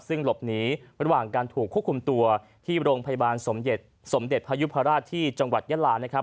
ซึ่งหลบหนีระหว่างการถูกควบคุมตัวที่โรงพยาบาลสมเด็จสมเด็จพยุพราชที่จังหวัดยาลานะครับ